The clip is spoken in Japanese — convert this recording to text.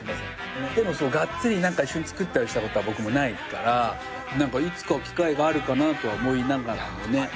でもがっつり一緒に作ったりしたことは僕もないからいつか機会があるかなとは思いながらもね。